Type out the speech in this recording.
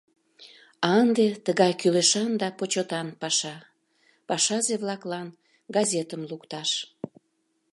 А ынде тыгай кӱлешан да почётан паша — пашазе-влаклан газетым лукташ.